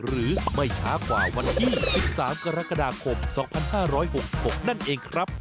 หรือไม่ช้ากว่าวันที่๑๓กรกฎาคม๒๕๖๖นั่นเองครับ